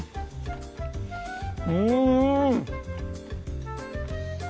うん！